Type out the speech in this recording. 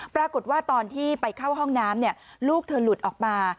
ปรากฏว่าตอนที่ไปเข้าห้องน้ำลูกเธอหลุดออกมา